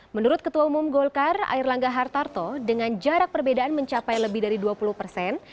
menurut ketua umum golkar air langga hartarto dengan jarak perbedaan mencapai lebih dari dua puluh persen